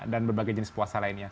dan berbagai jenis puasa lainnya